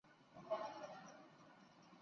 蒂蒂雅。